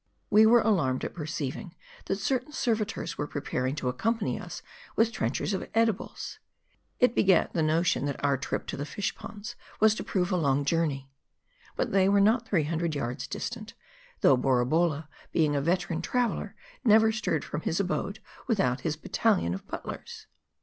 We were alarmed at perceiving, that certain servitors were preparing to accompany us with trenchers of edibles. It begat the notion, that our trip to the fish ponds was to prove a long journey. But they were not three hundred yards distant ; though Borabolla being a veteran traveler, never stirred from his abode without his battalion of butlers.